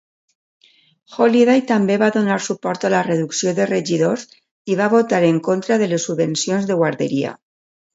Holyday també va donar suport a la reducció de regidors i va votar en contra de les subvencions de guarderia.